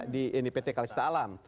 di pt kalisata alam